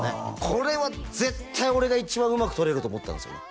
これは絶対俺が一番うまく撮れると思ったんですよね